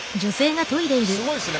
すごいですね